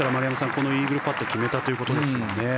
このイーグルパット決めたということですね。